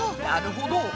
なるほど！